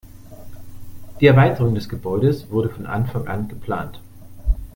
Die Erweiterung des Gebäudes wurde von Anfang an geplant.